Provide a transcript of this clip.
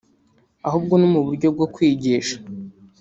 ahubwo no mu buryo bwo kwigisha